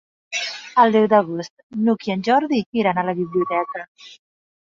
El deu d'agost n'Hug i en Jordi iran a la biblioteca.